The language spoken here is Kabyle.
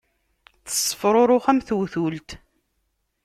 Tessefṛuṛux am tewtult.